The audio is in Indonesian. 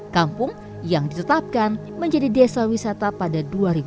kampung yang ditetapkan menjadi desa wisata pada dua ribu dua puluh